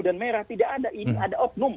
dan merah tidak ada ini ada oknum